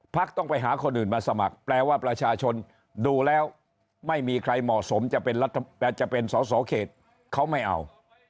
ต้องไปหาคนอื่นมาสมัครแปลว่าประชาชนดูแล้วไม่มีใครเหมาะสมจะเป็นสอสอเขตเขาไม่เอา